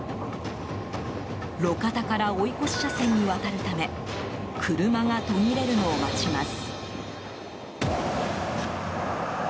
路肩から追い越し車線に渡るため車が途切れるのを待ちます。